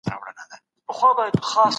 که مطالعه وي، نو فکري بېسوادي به ختمه سي.